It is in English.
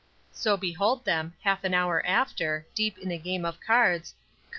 So behold them, half an hour after, deep in a game of cards, Col.